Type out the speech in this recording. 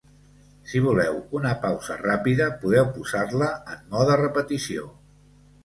Si voleu una pausa ràpida, podeu posar-la en mode repetició.